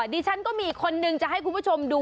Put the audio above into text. ดิฉันก็มีคนนึงจะให้คุณผู้ชมดู